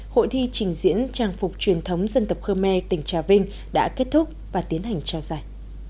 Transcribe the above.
hội thi trình diễn trang phục truyền thống dân tộc khơ me tỉnh trà vinh đã kết thúc và tiến hành trao giải